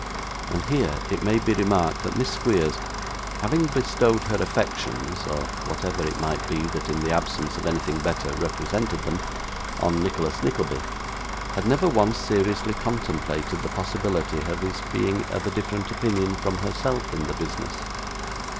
And here it may be remarked, that Miss Squeers, having bestowed her affections (or whatever it might be that, in the absence of anything better, represented them) on Nicholas Nickleby, had never once seriously contemplated the possibility of his being of a different opinion from herself in the business.